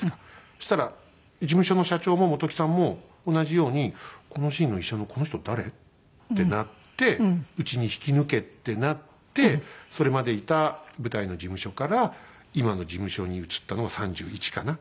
そしたら事務所の社長も本木さんも同じようにこのシーンの医者のこの人誰？ってなってうちに引き抜けってなってそれまでいた舞台の事務所から今の事務所に移ったのが３１かな。